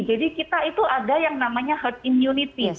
jadi kita itu ada yang namanya herd immunity